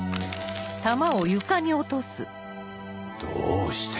どうして。